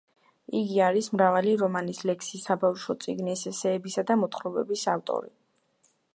იგი არის მრავალი რომანის, ლექსის, საბავშვო წიგნის, ესეებისა და მოთხრობების ავტორი.